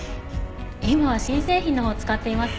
今は新製品のほう使っていますので。